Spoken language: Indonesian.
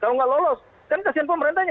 kalau nggak lolos kan kasian pemerintahnya